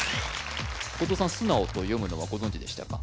後藤さん「すなお」と読むのはご存じでしたか？